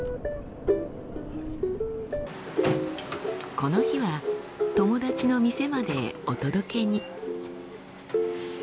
この日は友達の店までお届けに。